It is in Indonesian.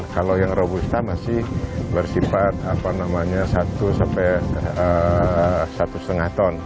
kalau yang robusta masih bersifat satu sampai satu lima ton